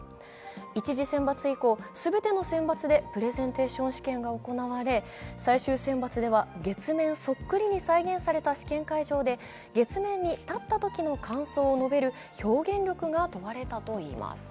１次選抜以降、全ての選抜でプレゼンテーション試験が行われ、月面そっくりに再現された試験会場で月面に立ったときの感想を述べる表現力が問われたといいます。